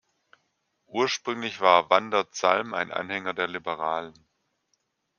Ursprünglich war Vander Zalm ein Anhänger der Liberalen.